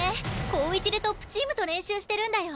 高１でトップチームと練習してるんだよ。